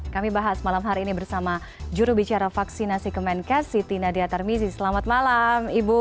kami bahas malam hari ini bersama jurubicara vaksinasi kemenkes siti nadia tarmizi selamat malam ibu